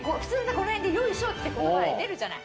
この辺で「よいしょ」って言葉が出るじゃない。